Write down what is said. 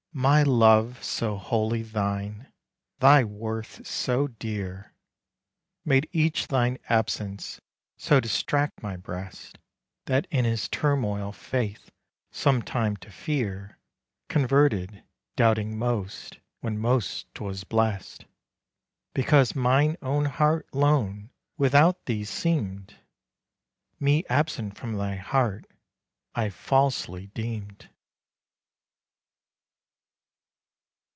My love so wholly thine, thy worth so dear, Made each thine absence so distract my breast, That in his turmoil faith sometime to fear Converted, doubting most when most 'twas blest. Because mine own heart lone without thee seem'd, Me absent from thy heart I falsely deem'd.